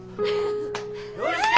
よっしゃ！